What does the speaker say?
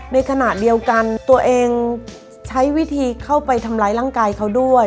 ในขณะเดียวกันตัวเองใช้วิธีเข้าไปทำร้ายร่างกายเขาด้วย